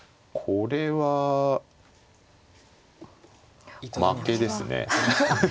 これは先手負けですね。